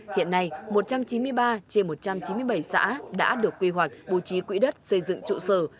hiện nay một trăm chín mươi ba trên một trăm chín mươi bảy xã đã được quy hoạch bố trí quỹ đất xây dựng trụ sở